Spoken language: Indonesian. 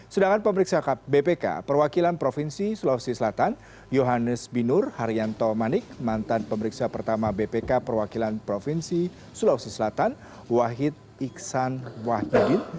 sedangkan pemeriksa bpk perwakilan provinsi sulawesi selatan yohannes binur haryanto manik mantan pemeriksa pertama bpk perwakilan provinsi sulawesi selatan wahid iksan wahyudin